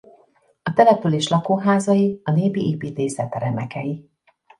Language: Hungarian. A település lakóházai a népi építészet remekei.